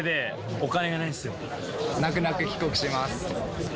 泣く泣く帰国します。